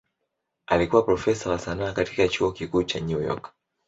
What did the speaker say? Alikuwa profesa wa sanaa katika Chuo Kikuu cha New York.